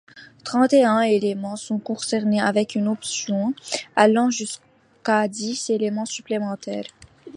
Trente-et-un éléments sont concernés, avec une option allant jusqu'à dix éléments supplémentaires.